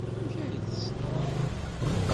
Amek ay t-tessned?